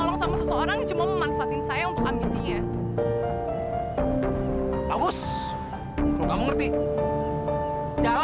jangan ngajak berantem sama gue deh